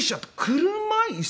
車椅子を。